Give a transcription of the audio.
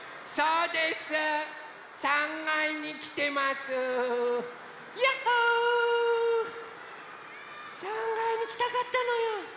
３かいにきたかったのよ。